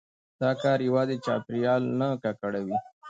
دا کار يوازي چاپېريال نه ککړوي،